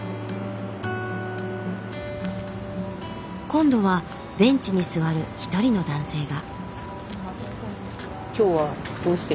今度はベンチに座る一人の男性が。